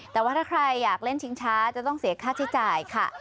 แต่ว่าถ้าใครอยากเล่นชิงช้าจะต้องเสียค่าใช้จ่ายค่ะ